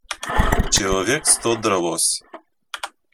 Человек сто дралось